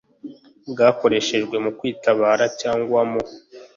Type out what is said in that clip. bwakoreshejwe mu kwitabara cyangwa mu